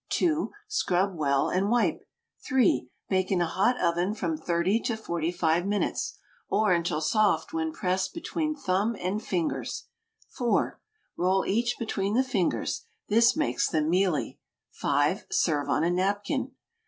2. Scrub well, and wipe. 3. Bake in a hot oven from 30 to 45 minutes, or until soft when pressed between thumb and fingers. 4. Roll each between the fingers: this makes them mealy. 5. Serve on a napkin.